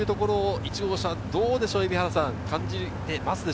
１号車どうでしょう？